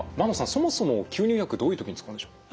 そもそも吸入薬どういう時に使うんでしょう？